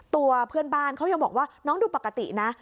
ตัวเพื่อนบ้านเขายังบอกว่าน้องดูปกตินะ